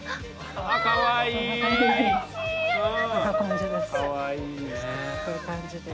こういう感じで。